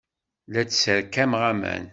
La d-sserkameɣ aman.